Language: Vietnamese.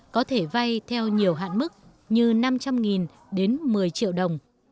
có thể vay theo nhiều hạn mức như năm trăm linh đến một mươi triệu đồng